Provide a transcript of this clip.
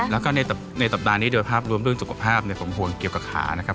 แล้วก็ในสัปดาห์นี้โดยภาพรวมเรื่องสุขภาพผมห่วงเกี่ยวกับขานะครับ